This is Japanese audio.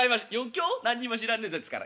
何にも知らねえんですから。